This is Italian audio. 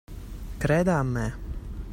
Creda a me.